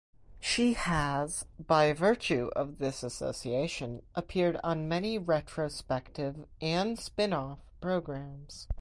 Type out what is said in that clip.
She has, by virtue of this association, appeared on many retrospective and spin-off programmes.